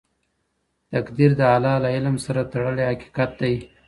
تقدیر د الله له علم سره تړلی حقیقت دی.